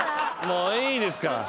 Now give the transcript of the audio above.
もういいですから。